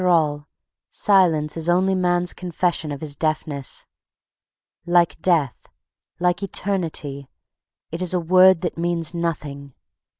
After all, Silence is only man's confession of his deafness. Like Death, like Eternity, it is a word that means nothing.